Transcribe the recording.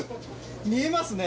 見えますね！